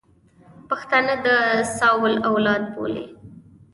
پښتانه د ساول اولاد بولي.